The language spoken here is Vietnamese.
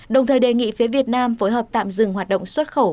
đồng thời đề nghị phía việt nam phối hợp tạm dừng hoạt động xuất khẩu